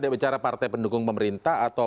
bicara partai pendukung pemerintah atau